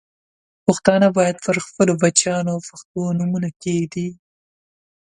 پښتانه باید پر خپلو بچیانو پښتو نومونه کښېږدي.